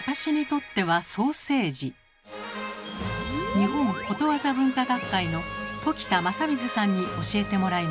日本ことわざ文化学会の時田昌瑞さんに教えてもらいました。